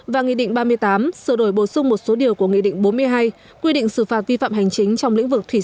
và nghị định ba mươi tám sửa đổi bổ sung một số điều của nghị định bốn mươi hai quy định xử phạt vi phạm hành chính trong lĩnh vực thủy sản